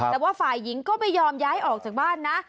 แต่ว่าฝ่ายหญิงก็ไม่ยอมย้ายออกจากบ้านนะ